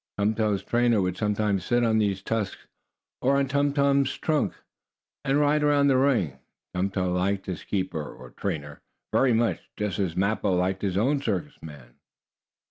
Tum Tum's trainer would sometimes sit on these tusks, or on Tum Tum's trunk, and ride around the ring. Tum Tum liked his keeper, or trainer, very much, just as Mappo liked his own circus man.